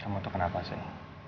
kamu tuh kenapa sih